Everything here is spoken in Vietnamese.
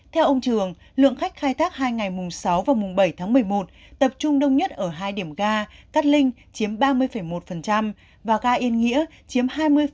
theo ông trường lượng khách khai thác hai ngày mùng sáu và mùng bảy tháng một mươi một tập trung đông nhất ở hai điểm ga cát linh chiếm ba mươi một và ga yên nghĩa chiếm hai mươi